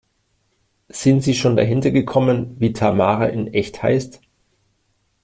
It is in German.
Sind Sie schon dahinter gekommen, wie Tamara in echt heißt?